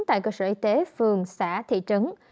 tại cơ sở y tế phường xã thị trấn